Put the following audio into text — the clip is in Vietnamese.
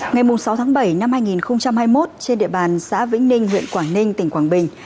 ngày sáu tháng bảy năm hai nghìn hai mươi một trên địa bàn xã vĩnh ninh huyện quảng ninh tỉnh quảng bình